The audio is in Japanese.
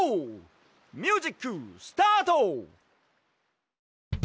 ミュージックスタート！